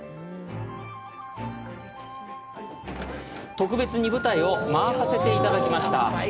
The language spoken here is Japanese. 特別に舞台を回させていただきました。